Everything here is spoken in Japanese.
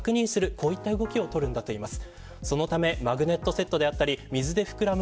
こういった動きを取るんだといいます。